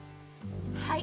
はい。